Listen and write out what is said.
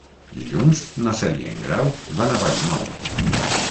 Dilluns na Cel i en Grau van a Vallmoll.